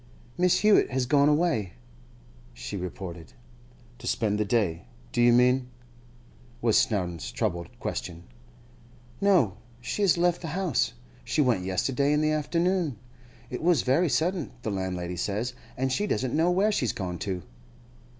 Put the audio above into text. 'Miss Hewett has gone away,' she reported. 'To spend the day, do you mean?' was Snowdon's troubled question. 'No, she has left the house. She went yesterday, in the afternoon. It was very sudden, the landlady says, and she doesn't know where she's gone to.